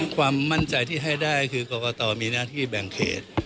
ความมั่นใจที่ให้ได้คือกรกตมีหน้าที่แบ่งเขต